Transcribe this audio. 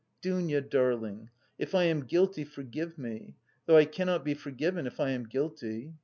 "Dounia darling, if I am guilty forgive me (though I cannot be forgiven if I am guilty).